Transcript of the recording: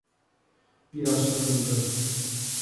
Pirassununga